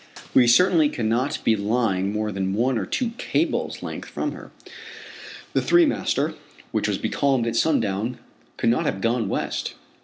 We certainly cannot be lying more than one or two cables' length from her. The three master, which was becalmed at sundown, could not have gone west.